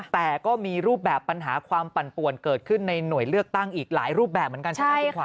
แต่ก็มีรูปแบบปัญหาความปั่นป่วนเกิดขึ้นในหน่วยเลือกตั้งอีกหลายรูปแบบเหมือนกันใช่ไหมคุณขั